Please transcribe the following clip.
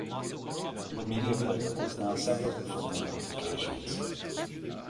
The media player is now separate from the notifications.